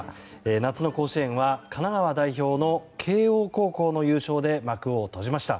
夏の甲子園は神奈川代表の慶応高校の優勝で幕を閉じました。